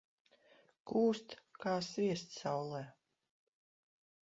Kūst kā sviests saulē.